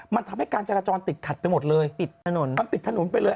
มันทำให้การจราจรติดขัดไปหมดเลยปิดถนนมันปิดถนนไปเลย